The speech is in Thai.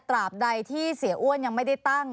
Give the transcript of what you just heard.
ตราบใดที่เสียอ้วนยังไม่ได้ตั้ง